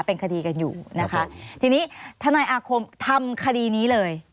เป็นคดีกันอยู่นะคะทีนี้